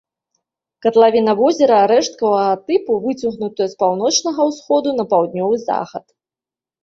Катлавіна возера рэшткавага тыпу, выцягнутая з паўночнага ўсходу на паўднёвы захад.